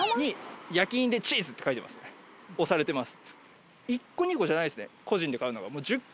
押されてます